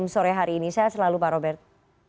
saya selalu pak robert